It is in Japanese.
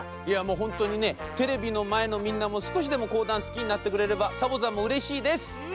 いやもうほんとにねテレビのまえのみんなもすこしでもこうだんすきになってくれればサボざんもうれしいです！